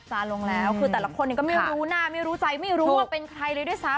ลงแล้วคือแต่ละคนก็ไม่รู้หน้าไม่รู้ใจไม่รู้ว่าเป็นใครเลยด้วยซ้ำ